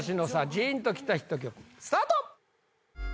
ジーンときたヒット曲スタート！